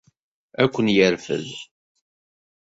Ad ken-yerfed.